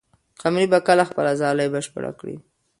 قمري به کله خپله ځالۍ بشپړه کړي؟